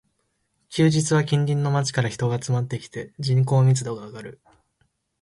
休日は近隣の街から人が集まってきて、人口密度が上がる